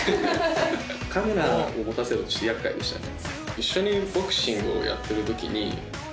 カメラを持たせるとちょっと厄介でしたね。